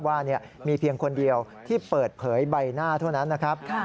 ว่ามีเพียงคนเดียวที่เปิดเผยใบหน้าเท่านั้นนะครับ